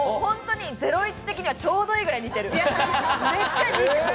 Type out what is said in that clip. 『ゼロイチ』的には、ちょうどいいくらい似てる。